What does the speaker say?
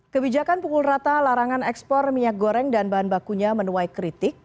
kebijakan pukul rata larangan ekspor minyak goreng dan bahan bakunya menuai kritik